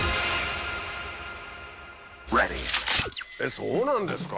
そうなんですか？